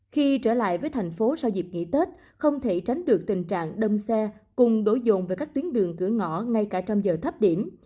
khi trở lại với thành phố sau dịp nghỉ tết không thể tránh được tình trạng đâm xe cùng đối dồn về các tuyến đường cửa ngõ ngay cả trong giờ thấp điểm